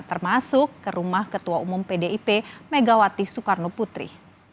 termasuk ke rumah ketua umum pdip megawati soekarno putri